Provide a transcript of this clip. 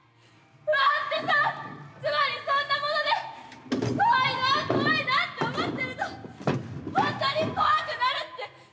不安ってさつまりそんなもので怖いな怖いなって思ってると本当に怖くなるって！